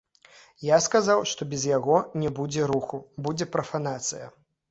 Я сказаў, што без яго не будзе руху, будзе прафанацыя.